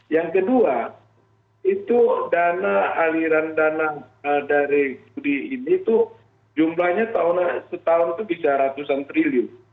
yang kedua itu dana aliran dana dari studi ini tuh jumlahnya setahun itu bisa ratusan triliun